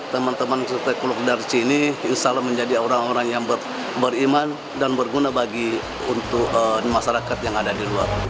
teman teman stakeholder sini insya allah menjadi orang orang yang beriman dan berguna bagi untuk masyarakat yang ada di luar